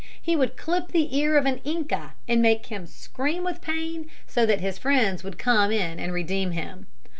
He would clip the ear of an Inca and make him scream with pain, so that his friends would come in and redeem him.